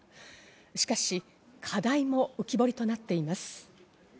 しかし、課題も浮き彫りとなっています。